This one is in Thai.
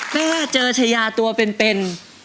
ถ้าเจอชายาตัวเป็น